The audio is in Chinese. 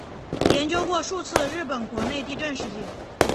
研究过数次日本国内地震事件。